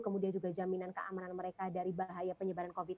kemudian juga jaminan keamanan mereka dari bahaya penyebaran covid sembilan belas